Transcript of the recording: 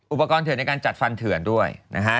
อุปกรณ์เถื่อนในการจัดฟันเถื่อนด้วยนะฮะ